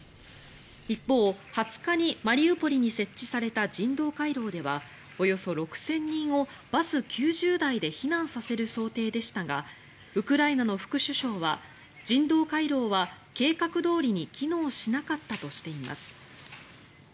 一方、２０日にマリウポリに設置された人道回廊ではおよそ６０００人をバス９０台で避難させる想定でしたがウクライナの副首相は人道回廊は計画どおりに機能しなかったとしています。